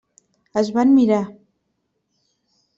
Es van mirar.